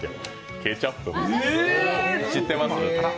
「ケチャップマン」、知ってます？